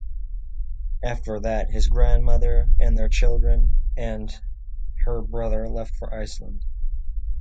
After that his grandmother and their children and her brother left for Iceland.